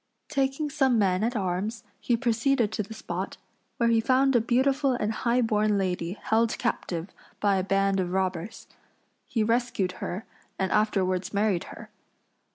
Taking some men at arms he proceeded to the spot, where he found a beautiful and high born lady held captive by a band of robbers. He rescued her and afterwards married her.